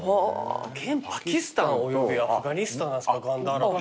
現パキスタンおよびアフガニスタンなんですかガンダーラって。